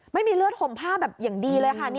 ไม่มีเลือดห่มผ้าแบบอย่างดีเลยค่ะ